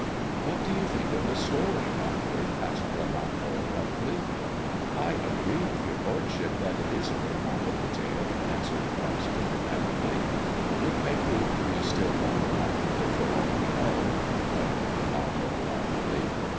What do you think of the story, doctor 1 " asked Lelanro abruptly. THE dwarf's chamber 77 "I agree with your lordship that it is a remarkable tale," answered Pryce diplomatically. " It may prove to be still more remarkable, for all we know,'* muttered Lelanro thoughtfully.